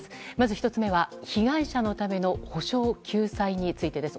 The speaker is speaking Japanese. １つ目は、被害者のための補償・救済についてです。